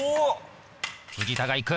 藤田がいく！